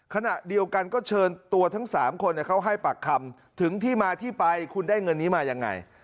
ขณะเดียวกันก็เชิญตัวทั้ง๓คนเขาให้ปากคำถึงที่มาที่ไปคุณได้เงินนี้มายังไง